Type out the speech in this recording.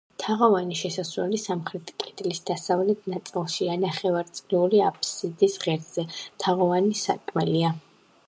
თაღოვანი შესასვლელი სამხრეთ კედლის დასავლეთ ნაწილშია, ნახევარწრიული აფსიდის ღერძზე თაღოვანი სარკმელია.